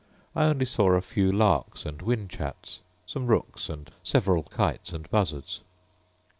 I only saw a few larks and whin chats, some rooks, and several kites and buzzards.